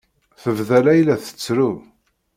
Tebda Layla tettru.